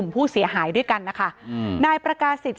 อ๋อเจ้าสีสุข่าวของสิ้นพอได้ด้วย